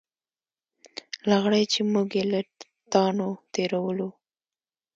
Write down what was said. لغړی چې موږ یې له تاڼو تېرولو.